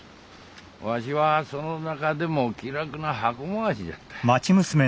わしはその中でも気楽な箱廻しじゃった。